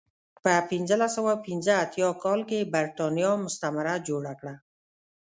په پنځلس سوه پنځه اتیا کال کې برېټانیا مستعمره جوړه کړه.